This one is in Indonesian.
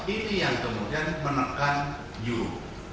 ini yang kemudian menekan you